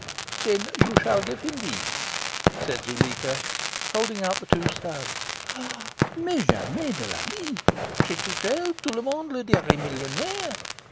"Then you shall give him these," said Zuleika, holding out the two studs. "Mais jamais de la vie! Chez Tourtel tout le monde le dirait millionaire.